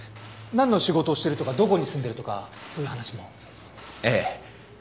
なんの仕事をしてるとかどこに住んでるとかそういう話も？ええ。